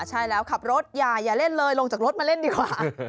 ใช่แล้วขับรถอย่าเล่นเลยลงจากรถมาเล่นดีกว่า